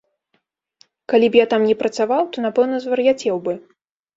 Калі б я там не працаваў, то, напэўна, звар'яцеў бы.